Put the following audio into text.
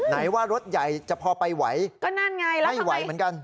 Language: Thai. ไหนว่ารถใหญ่จะพอไปไหวก็นั่นไงล่ะไม่ไหวเหมือนกัน